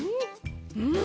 うん！